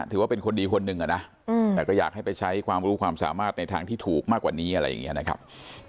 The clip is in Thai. ถือว่าเป็นคนดีคนหนึ่งอะนะแต่ก็อยากให้ไปใช้ความรู้ความสามารถในทางที่ถูกมากกว่านี้อะไรอย่างนี้นะครับ